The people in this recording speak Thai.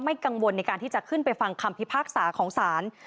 กังวลในการที่จะขึ้นไปฟังคำพิพากษาของศาล